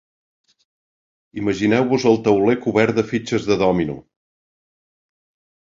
Imagineu-vos el tauler cobert de fitxes de dòmino.